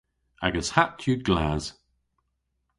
Agas hatt yw glas.